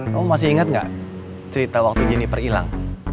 kamu masih ingat nggak cerita waktu jenniper hilang